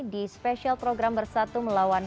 di spesial program bersatu melawan